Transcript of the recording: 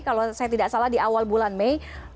kalau saya tidak salah di awal bulan mei